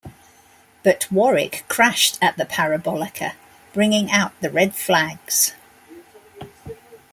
But Warwick crashed at the Parabolica, bringing out the red flags.